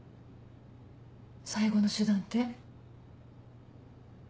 最後の手段って？